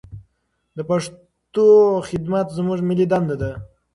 د پښتو خدمت زموږ ملي دنده ده.